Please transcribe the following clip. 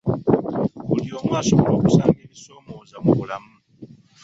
Buli omu asobola okusanga ebimusoomooza mu bulamu.